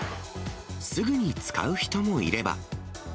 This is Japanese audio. すぐに使う人もいれば。